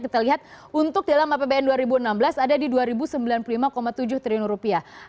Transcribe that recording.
kita lihat untuk dalam apbn dua ribu enam belas ada di dua ribu sembilan puluh lima tujuh triliun rupiah